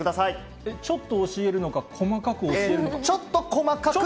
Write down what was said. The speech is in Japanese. ちょっと教えるのか、細かくちょっと細かく。